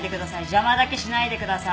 邪魔だけしないでください。